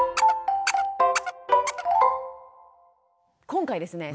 今回ですね